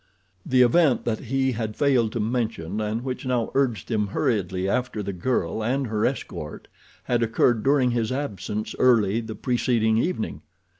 The event that he had failed to mention and which now urged him hurriedly after the girl and her escort had occurred during his absence early the preceding evening.